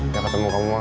mau ketemu kamu lah